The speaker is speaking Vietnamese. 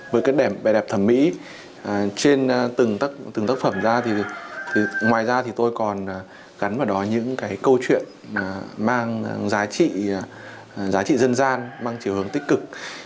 với cái vẻ đẹp thẩm mỹ trên từng tác phẩm ra thì ngoài ra tôi còn gắn vào đó những câu chuyện mang giá trị dân gian mang chiều hướng tích cực